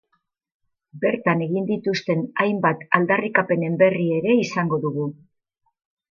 Bertan egin dituzten hainbat aldarrikapenen berri ere izango dugu.